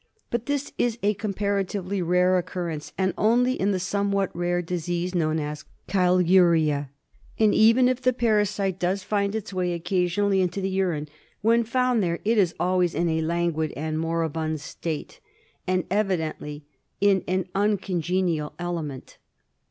But this is a compara tively rare occurrence, and only in the some what rare disea se kno wn as Chylur ia; and even if the parasite does find its way occasionaJly into the urine, when foundthereit is alwaysin a languid and moribund state, and evidently in an uncongenial element.